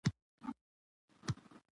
ځمکه د اوبو او لمر تودوخې ته اړتیا لري.